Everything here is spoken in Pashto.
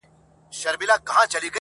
هره ورځ یې وي مرگی زموږ له زوره!!